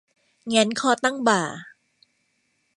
แหงนคอตั้งบ่า